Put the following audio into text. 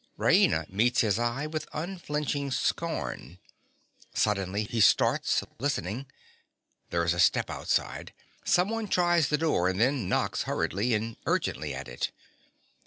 (_Raina meets his eye with unflinching scorn. Suddenly he starts, listening. There is a step outside. Someone tries the door, and then knocks hurriedly and urgently at it.